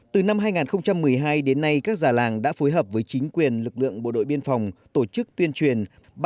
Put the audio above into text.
từ năm hai nghìn một mươi hai đến nay các già làng đã phối hợp với chính quyền lực lượng bộ đội biên phòng tổ chức tuyên truyền